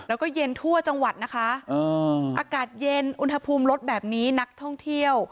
แล้วก็เย็นทั่วจังหวัดนะคะอากาศเย็นอุณหภูมิลดแบบนี้นักท่องเที่ยว